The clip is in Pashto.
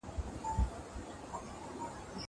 خپل ژوند مدیریت کړئ.